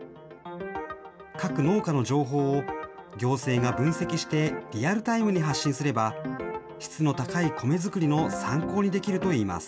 各農家の情報を行政が分析してリアルタイムに発信すれば、質の高いコメづくりの参考にできるといいます。